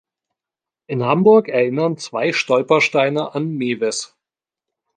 In Hamburg erinnern zwei Stolpersteine an Mewes.